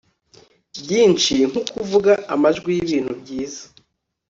byinshi nkukuvuga amajwi yibintu bizaza